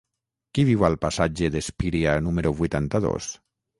Qui viu al passatge d'Espíria número vuitanta-dos?